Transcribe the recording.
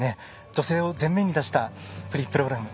女性を全面に出したフリープログラム